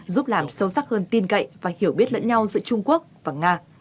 giúp làm sâu sắc hơn tin cậy và hiểu biết lẫn nhau giữa trung quốc và nga